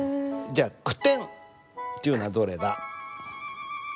じゃ「句点」っていうのはどれだ？